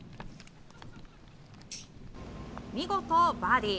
見事、バーディー。